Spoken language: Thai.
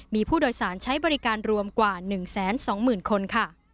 มีผู้โดยสารใช้บริการรวมกว่า๑๒๐๐๐คนค่ะ